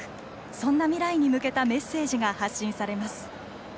そんな未来に向けたメッセージが発信されます。